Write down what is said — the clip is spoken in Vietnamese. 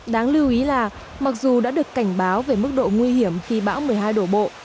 đáng lưu ý là mặc dù đã được cảnh báo về mức độ nguy hiểm khi bão một mươi hai đổ bộ